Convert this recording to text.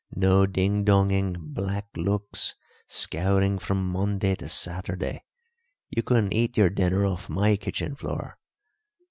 No ding donging, black looks, scouring from Monday to Saturday you couldn't eat your dinner off my kitchen floor.